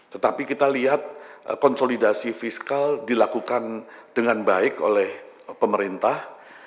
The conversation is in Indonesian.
tetapi kita lihat konsolidasi fiskal dilakukan dengan baik oleh pemerintah